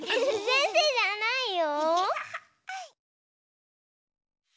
せんせいじゃないよ。